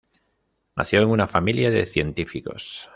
Nació en una familia de científicos.